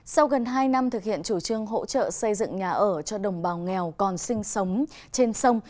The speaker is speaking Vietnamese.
sau gần hai năm thực hiện chủ trương hỗ trợ xây dựng nhà ở cho đồng bào nghèo còn sinh sống trên sông